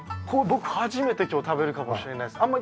これ僕初めて今日食べるかもしれないです